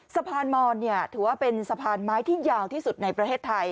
สะพานมอนถือว่าเป็นสะพานไม้ที่ยาวที่สุดในประเทศไทย